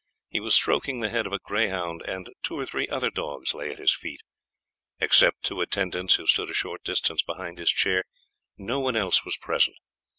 He was stroking the head of a greyhound, and two or three other dogs lay at his feet. Except two attendants, who stood a short distance behind his chair, no one else was present.